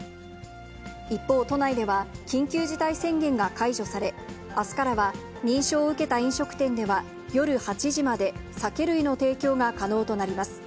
一方、都内では緊急事態宣言が解除され、あすからは、認証を受けた飲食店では、夜８時まで、酒類の提供が可能となります。